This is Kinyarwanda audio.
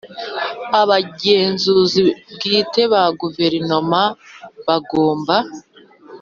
Abagenzuzi bwite ba Guverinoma bagomba